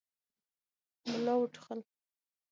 ملا وټوخل.